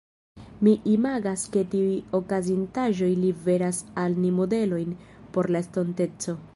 Mi imagas ke tiuj okazintaĵoj liveras al ni modelon por la estonteco.